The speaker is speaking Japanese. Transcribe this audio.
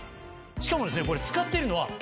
しかもですね。